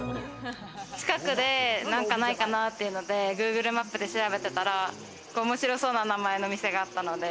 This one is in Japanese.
近くで何かないかなっていうので、Ｇｏｏｇｌｅマップで調べてたら、面白そうな名前のお店があったので。